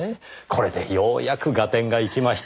これでようやく合点がいきました。